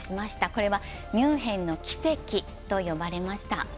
これはミュンヘンの奇跡と呼ばれました。